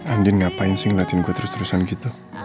andin ngapain sih ngeliatin gue terus terusan gitu